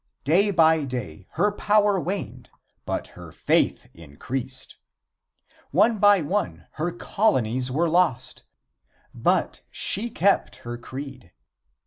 Day by day her power waned, but her faith increased. One by one her colonies were lost, but she kept her creed.